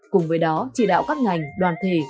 cùng với đó chỉ đạo các ngành đoàn thể